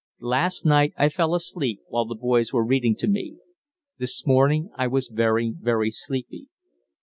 Last night I fell asleep while the boys were reading to me. This morning I was very, very sleepy.